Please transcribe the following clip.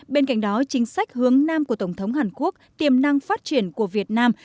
bên cạnh đó chính sách hướng nam của tổng thống hàn quốc tiềm năng phát triển của việt nam